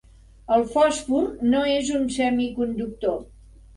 El fòsfor no és un semiconductor.